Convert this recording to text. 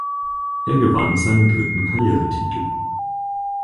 Er gewann seinen dritten Karrieretitel.